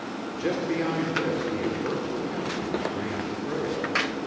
Just beyond this he had first encountered the strange trail.